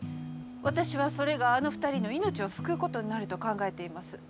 私はそれがあの２人の命を救うことになると考えています。